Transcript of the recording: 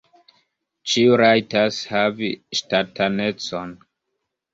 Ĉiu rajtas havi ŝtatanecon.